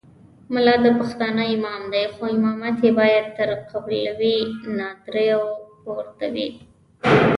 ملا د پښتانه امام دی خو امامت یې باید تر قبیلوي ناندریو پورته وي.